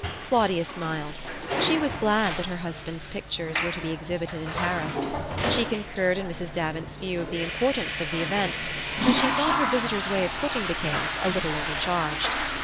Claudia smiled. She was glad that her husband's pictures were to be exhibited in Paris. She concurred in Mrs. Davant's view of the importance of the event; but she thought her visitor's way of putting the case a little overcharged.